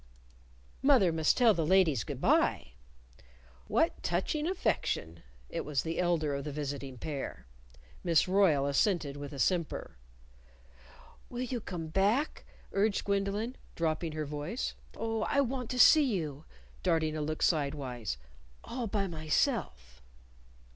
"Mother must tell the ladies good by." "What touching affection!" It was the elder of the visiting pair. Miss Royle assented with a simper. "Will you come back?" urged Gwendolyn, dropping her voice. "Oh, I want to see you" darting a look sidewise "all by myself."